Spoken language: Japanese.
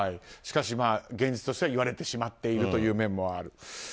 しかし、現実としては言われてしまっているという面もある。